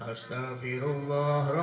jurnal kabupaten yogyakarta